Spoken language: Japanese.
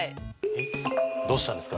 えっどうしたんですか。